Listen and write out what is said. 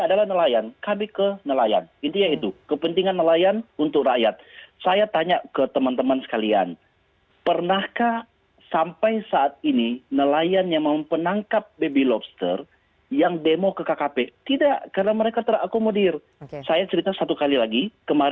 deputi masyarakat antikorupsi indonesia